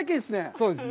そうですね。